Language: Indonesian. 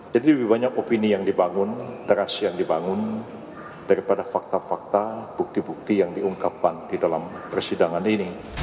jadi lebih banyak opini yang dibangun terasi yang dibangun daripada fakta fakta bukti bukti yang diungkapkan di dalam persidangan ini